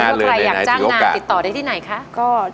ว่าใครอยากจ้างงานติดต่อได้ที่ไหนคะ